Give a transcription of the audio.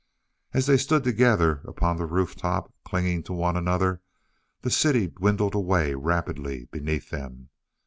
As they stood together upon the roof top, clinging to one another, the city dwindled away rapidly beneath them.